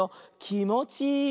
「きもちいい」！